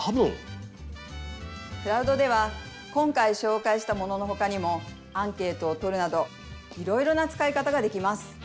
クラウドでは今回しょうかいしたもののほかにもアンケートをとるなどいろいろな使い方ができます。